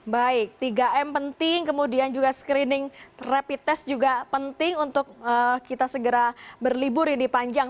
baik tiga m penting kemudian juga screening rapid test juga penting untuk kita segera berlibur ini panjang